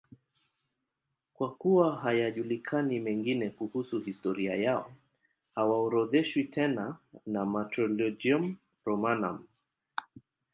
Kwa kuwa hayajulikani mengine kuhusu historia yao, hawaorodheshwi tena na Martyrologium Romanum.